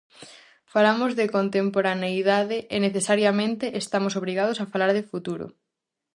Falamos de contemporaneidade e, necesariamente, estamos obrigados a falar de futuro.